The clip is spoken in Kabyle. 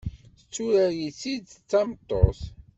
Tetturar-itt-id d tameṭṭut.